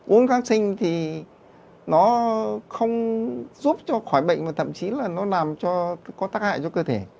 uống kháng sinh thì nó không giúp cho khỏi bệnh và thậm chí là nó làm cho có tác hại cho cơ thể